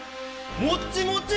もっちもち！